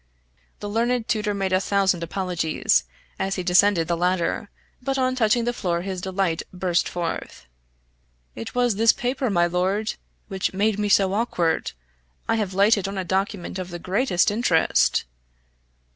The learned tutor made a thousand apologies, as he descended the ladder, but on touching the floor his delight burst forth. "It was this paper, my lord, which made me so awkward I have lighted on a document of the greatest interest!"